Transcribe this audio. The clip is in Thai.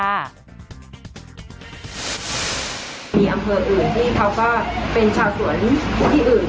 มีอำเภออื่นที่เขาก็เป็นชาวสวนของที่อื่น